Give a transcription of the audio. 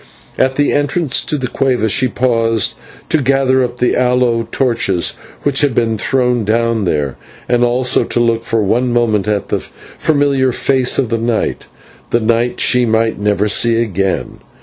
At the entrance to the /cueva/ she paused to gather up the aloe torches which had been thrown down there, and also to look for one moment at the familiar face of night, the night that she might never see again.